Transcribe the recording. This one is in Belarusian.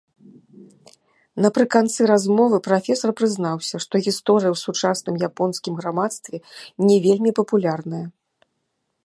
Напрыканцы размовы прафесар прызнаўся, што гісторыя ў сучасным японскім грамадстве не вельмі папулярная.